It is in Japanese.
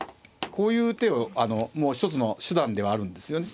こういう手をもう一つの手段ではあるんですよね